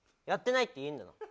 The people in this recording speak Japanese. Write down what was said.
やってないって言えるんだな？